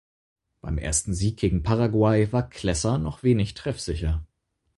Beim ersten Sieg gegen Paraguay war Klesser noch wenig treffsicher.